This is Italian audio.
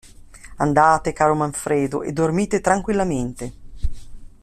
Andate, caro Manfredo, e dormite tranquillamente!